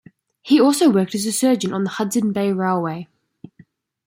He also worked as a surgeon on the Hudson Bay Railway.